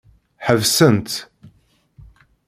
Ḥebsen-tt.